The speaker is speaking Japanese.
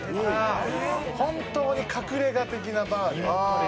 「本当に隠れ家的なバーで」